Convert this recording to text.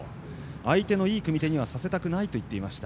相手のいい組み手にはさせたくないと言っていました。